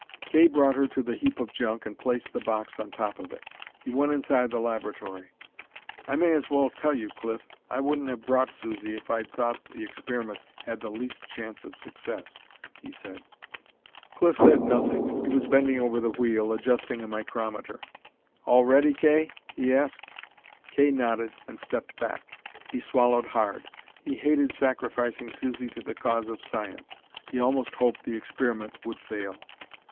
Kay brought her to the heap of junk and placed the box on top of it. He went inside the laboratory. "I may as well tell you, Cliff. I wouldn't have brought Susie if I'd thought the experiment had the least chance of success," he said. Cliff said nothing. He was bending over the wheel, adjusting a micrometer. "All ready, Kay?" he asked. Kay nodded and stepped back. He swallowed hard. He hated sacrificing Susie to the cause of science; he almost hoped the experiment would fail.